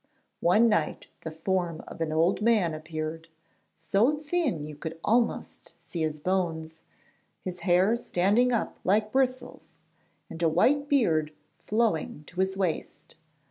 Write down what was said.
One night the form of an old man appeared, so thin you could almost see his bones, his hair standing up like bristles, and a white beard flowing to his waist.